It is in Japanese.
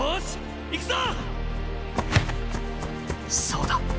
そうだ